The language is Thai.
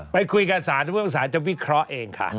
ไปคุยกับศาสตร์ทุกศาสตร์จะวิเคราะห์เองค่ะ